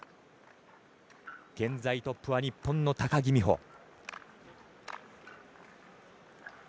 現在トップは日本の高木美帆。